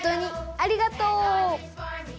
ありがとう！